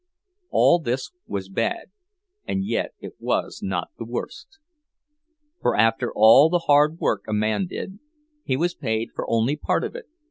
All this was bad; and yet it was not the worst. For after all the hard work a man did, he was paid for only part of it.